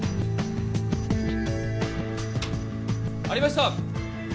・ありました！